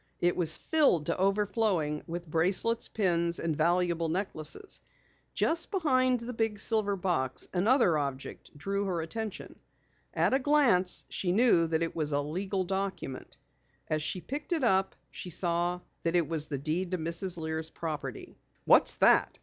It was filled to overflowing with bracelets, pins, and valuable necklaces. Just behind the big silver box, another object drew her attention. At a glance she knew that it was a legal document. As she picked it up she saw that it was the deed to Mrs. Lear's property. "What's that?"